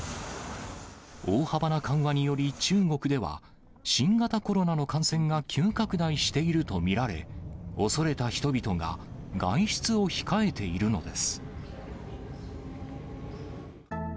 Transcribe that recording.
大幅な緩和により、中国では新型コロナの感染が急拡大していると見られ、恐れた人々が外出を控えているのです。